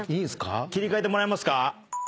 切り替えてもらえますか。